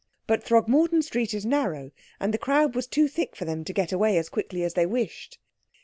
But Throgmorton Street is narrow, and the crowd was too thick for them to get away as quickly as they wished.